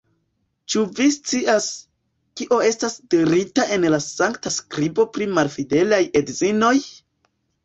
Ĉu vi scias, kio estas dirita en la Sankta Skribo pri malfidelaj edzinoj?